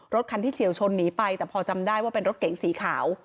รถคันที่เฉียวชนหนีไปแต่พอจำได้ว่าเป็นรถเก๋งสีขาว